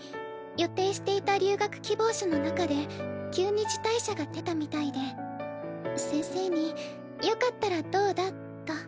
予定していた留学希望者の中で急に辞退者が出たみたいで先生に「よかったらどうだ？」と。